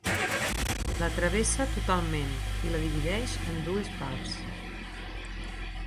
La travessa totalment i la divideix en dues parts.